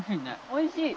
おいしい。